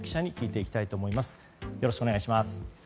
よろしくお願いします。